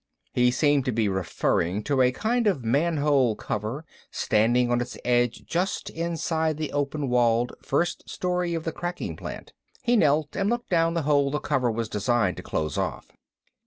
He seemed to be referring to a kind of manhole cover standing on its edge just inside the open walled first story of the cracking plant. He knelt and looked down the hole the cover was designed to close off.